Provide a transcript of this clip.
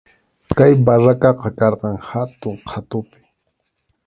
Kay barracaqa karqan hatun qhatupi.